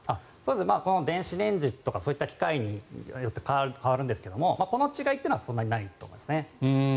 この電子レンジとかそういった機械によって変わるんですがこの違いというのはそんなにないと思いますね。